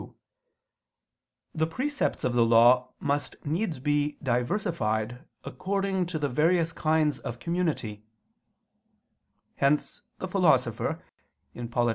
2), the precepts of the Law must needs be diversified according to the various kinds of community: hence the Philosopher (Polit.